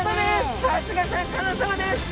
さすがシャーク香音さまです。